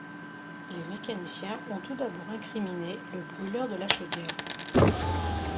Les mécaniciens ont tout d'abord incriminé le brûleur de la chaudière.